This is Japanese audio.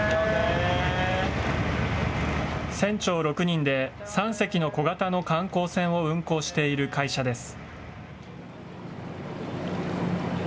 船長６人で、３隻の小型の観光船を運航している会社です。